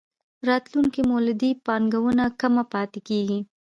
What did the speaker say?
راتلونکې مولدې پانګونه کمه پاتې کېږي.